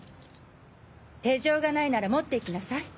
手錠がないなら持って行きなさい。